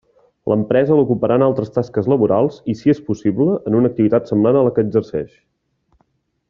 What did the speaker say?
L'empresa l'ocuparà en altres tasques laborals, i, si és possible, en una activitat semblant a la que exercix.